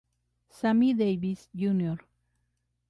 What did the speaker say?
Sammy Davis Jr.